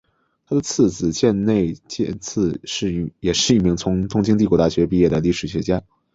他的次子箭内健次也是一名从东京帝国大学毕业的历史学家。